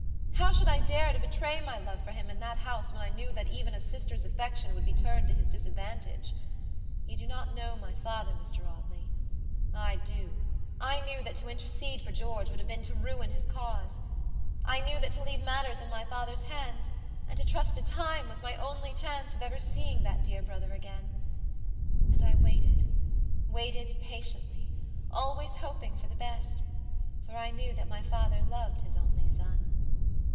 How should I dare to betray my love for him in that house when I knew that even a sister's affection would be turned to his disadvantage? You do not know my father, Mr. Audley. I do. I knew that to intercede for George would have been to ruin his cause. I knew that to leave matters in my father's hands, and to trust to time, was my only chance of ever seeing that dear brother again. And I waitedwaited patiently, always hoping for the best; for I knew that my father loved his only son.